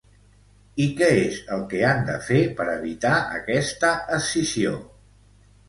I què és el que han de fer per evitar aquesta escissió?